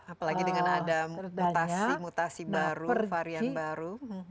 apalagi dengan ada mutasi mutasi baru varian baru